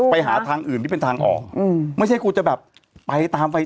ไปหาทางอื่นที่เป็นทางออกอืมไม่ใช่คุณจะแบบไปตามไป